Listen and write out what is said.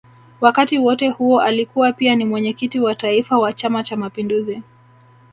Wakati wote huo alikuwa pia ni Mwenyekiti wa Taifa wa Chama cha Mapinduzi